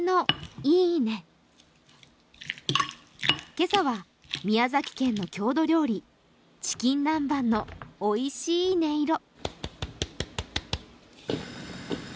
今朝は宮崎県の郷土料理、チキン南蛮のおいしい音色。